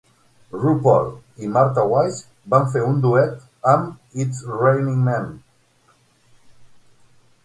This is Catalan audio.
RuPaul i Martha Wash van fer un duet amb "It's Raining Men"...